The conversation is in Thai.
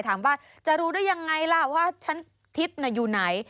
ถามว่าจะรู้ได้ยังไงล่ะว่าชั้นทิพย์อยู่ไหน